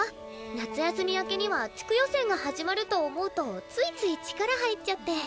夏休み明けには地区予選が始まると思うとついつい力入っちゃって。